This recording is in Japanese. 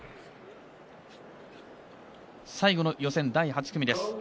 最後の予選、第８組です。